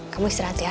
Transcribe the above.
kamu istirahat ya